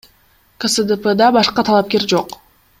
КСДПда башка талапкер жок.